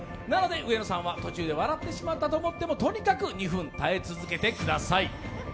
なので上野さんは途中で笑ってしまったと思ってもとにかく２分耐え続けてください。